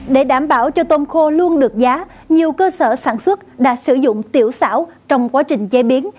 để đảm bảo cho tôm khô luôn được giá nhiều cơ sở sản xuất đã sử dụng tiểu xảo trong quá trình chế biến